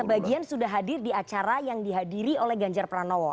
sebagian sudah hadir di acara yang dihadiri oleh ganjar pranowo